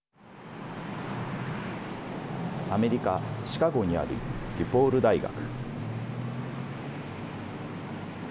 アメリカ、シカゴにあるデュポール大学。